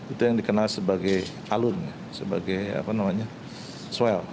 itu yang dikenal sebagai alun sebagai apa namanya swell